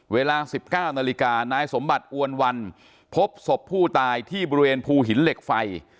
เวลา๑๙นาฬิกานายสมบัติอวนวันพบศพผู้ตายที่บริเวณภูหินเหล็กไฟ